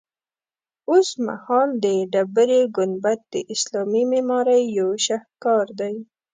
اوسمهال د ډبرې ګنبد د اسلامي معمارۍ یو شهکار دی.